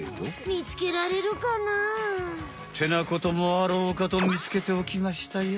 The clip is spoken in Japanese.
みつけられるかな？ってなこともあろうかとみつけておきましたよ。